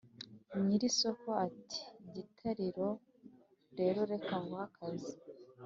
nyiri isoko ati gitariro rero reka nguhe akazi